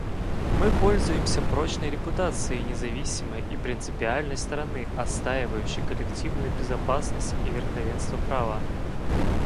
Мы пользуемся прочной репутацией независимой и принципиальной стороны, отстаивающей коллективную безопасность и верховенство права.